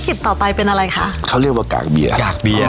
ธุรกิจต่อไปเป็นอะไรคะเขาเรียกว่ากากเบียร์